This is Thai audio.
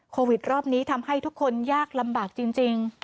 โควิดรอบนี้ทำให้ทุกคนยากลำบากจริง